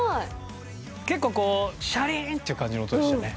結構シャリーン！っていう感じの音でしたよね。